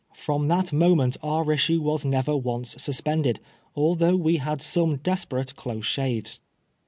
From that moment our issue was never once suspended, although we had some desperate close shaves.